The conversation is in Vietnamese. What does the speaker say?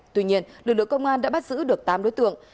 tuy nhiên lực lượng công an đã bắt giữ được tám đối tượng